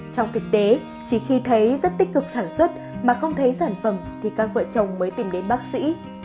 trong thực tế chỉ khi thấy rất tích cực sản xuất mà không thấy sản phẩm thì các vợ chồng mới tìm đến bác sĩ